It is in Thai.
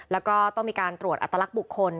แล้วก็ต้องมีการตรวจอัตลักษณ์บุคคล